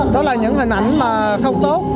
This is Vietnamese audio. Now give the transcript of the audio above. đó là những hình ảnh mà không tốt